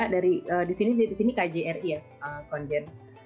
di sini kjri ya